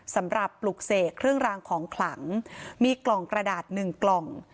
ปลุกเสกเครื่องรางของขลังมีกล่องกระดาษหนึ่งกล่อง